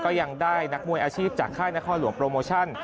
ยังได้นักมวยอาชีพจากค่ายนครหลวงโปรโมชั่น